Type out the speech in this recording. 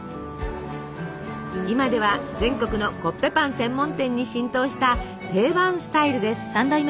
今では全国のコッペパン専門店に浸透した定番スタイルです。